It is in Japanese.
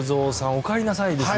おかえりなさいですね。